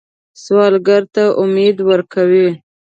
سوالګر ته امید ورکوئ